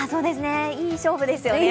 いい勝負ですよね。